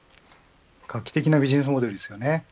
画期的なビジネスモデルでした。